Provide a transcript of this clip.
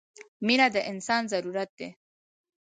• مینه د انسان ضرورت دی.